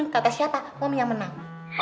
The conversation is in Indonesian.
kata siapa suami yang menang